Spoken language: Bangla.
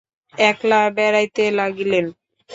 একলা বেড়াইতে লাগিলেন।